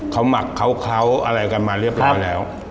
เขาหมักเขาอะไรกันมาเรียบร้อยแล้ว